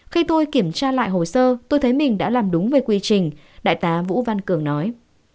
khi tôi kiểm tra lại hồ sơ tôi thấy mình đã làm đúng về quy trình đại tá vũ văn cường nói